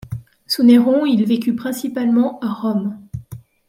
Sous Néron, il vécut principalement à Rome.